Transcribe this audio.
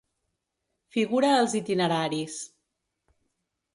Figura als Itineraris.